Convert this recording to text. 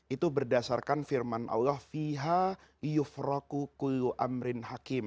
itu berdasarkan firman allah